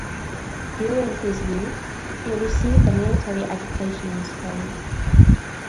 During his youth, he received a military education in Spain.